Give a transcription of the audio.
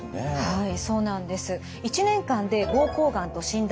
はい。